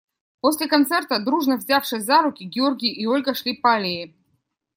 После концерта, дружно взявшись за руки, Георгий и Ольга шли по аллее.